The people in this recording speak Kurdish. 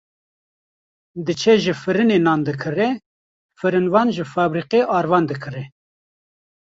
diçe ji firinê nan dikire, firinvan ji febrîqê arvan dikire.